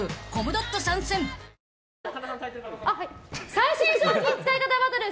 最新商品使い方バトル！